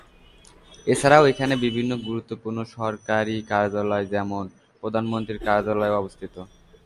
এছাড়াও এখানে বিভিন্ন গুরুত্বপূর্ণ সরকারি কার্যালয়, যেমনঃ প্রধানমন্ত্রীর কার্যালয় অবস্থিত।